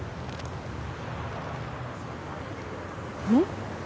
うん？